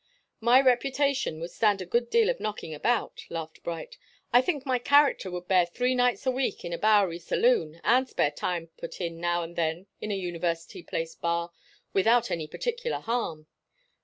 "My reputation would stand a good deal of knocking about," laughed Bright. "I think my character would bear three nights a week in a Bowery saloon and spare time put in now and then in a University Place bar, without any particular harm."